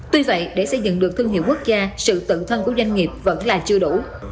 tuy vậy để xây dựng được thương hiệu quốc gia sự tự thân của doanh nghiệp vẫn là chưa đủ